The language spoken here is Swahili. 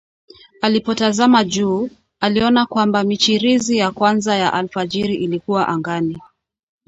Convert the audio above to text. Alipotazama juu, aliona kwamba michirizi ya kwanza ya alfajiri ilikuwa angani